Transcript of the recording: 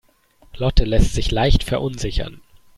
Lotte lässt sich leicht verunsichern.